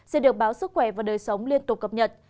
sẽ được báo sức khỏe và đời sống liên tục cập nhật